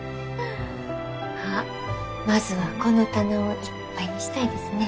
あまずはこの棚をいっぱいにしたいですね。